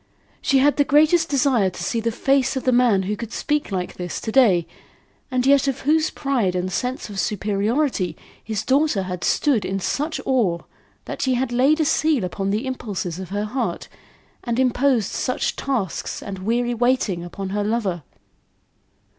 She had the greatest desire to see the face of the man who could speak like this to day, and yet of whose pride and sense of superiority his daughter had stood in such awe, that she had laid a seal upon the impulses of her heart, and imposed such tasks and weary waiting upon her lover.